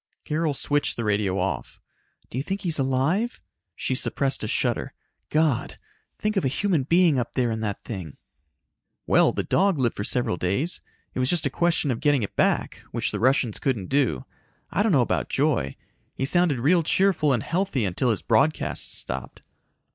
Carol switched the radio off. "Do you think he's alive?" She suppressed a shudder. "God! Think of a human being up there in that thing." "Well, the dog lived for several days. It was just a question of getting it back, which the Russians couldn't do. I don't know about Joy. He sounded real cheerful and healthy until his broadcasts stopped."